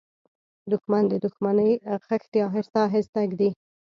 دښمن د دښمنۍ خښتې آهسته آهسته ږدي